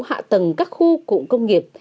hạ tầng các khu cụm công nghiệp